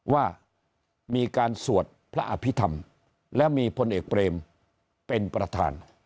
ว่ามีการสวดพระอภิษฐรรมและมีพลเอกเปรมเป็นประธาน